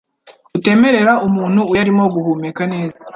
utemerera umuntu uyarimo guhumeka neza